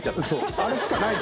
あれしかない。